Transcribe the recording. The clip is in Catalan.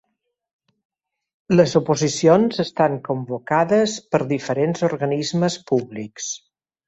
Les oposicions estan convocades per diferents organismes públics.